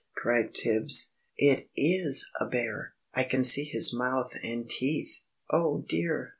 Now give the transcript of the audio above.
cried Tibbs. "It is a bear, I can see his mouth and teeth." "Oh, dear!